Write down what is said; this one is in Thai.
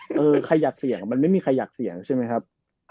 เออเป็นตำแหน่งมันไม่มีใครอยากเสี่ยงใช่มั้ยครับ